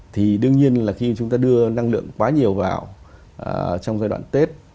thì đương nhiên là khi chúng ta đưa năng lượng quá nhiều vào trong giai đoạn tết